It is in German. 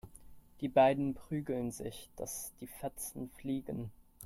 Die beiden prügeln sich, dass die Fetzen fliegen.